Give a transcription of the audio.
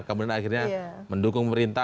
kemudian akhirnya mendukung pemerintah